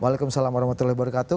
waalaikumsalam warahmatullahi wabarakatuh